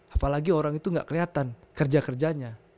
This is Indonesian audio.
apalagi orang itu gak kelihatan kerja kerjanya